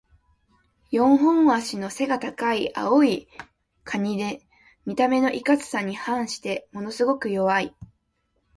四本脚の背が高い青いカニで、見た目のいかつさに反してものすごく弱い。